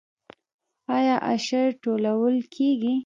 آیا عشر ټولول کیږي؟